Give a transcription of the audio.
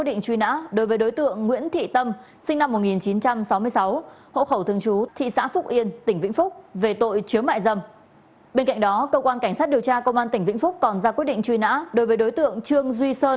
bên cạnh đó cơ quan cảnh sát điều tra công an tỉnh vĩnh phúc còn ra quyết định truy nã đối với đối tượng trương duy sơn